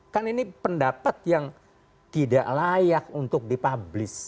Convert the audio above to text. kan ini pendapat yang tidak layak untuk dipublis